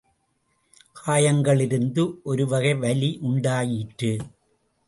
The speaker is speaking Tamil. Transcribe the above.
காயங்களிலிருந்து ஒருவகை வலி உண்டாயிற்று.